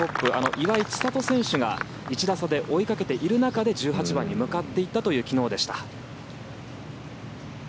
岩井千怜選手が１打差で追いかけている中で１８番に向かっていたという昨日でした。